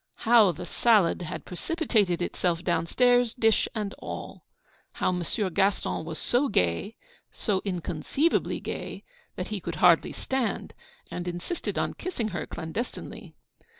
How the salad had precipitated itself downstairs, dish and all. How Monsieur Gaston was so gay, so inconceivably gay, that he could hardly stand, and insisted on kissing her clandestinely.